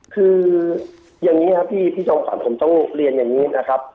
คืออย่างนี้ครับพี่จอมขวัญผมต้องเรียนอย่างนี้นะครับ